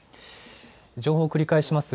情報を繰り返します。